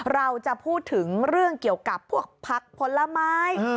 เราจะพูดถึงเรื่องเกี่ยวกับพวกผักผลไม้